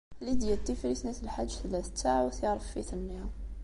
Lidya n Tifrit n At Lḥaǧ tella tettaɛu tiṛeffit-nni.